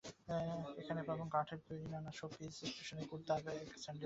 এখানে পাবেন কাঠের তৈরি নানা showpiece, stationery, kurta, bag, sandal ইত্যাদি।